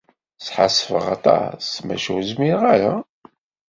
Sḥassfeɣ aṭas, maca ur zmireɣ ara.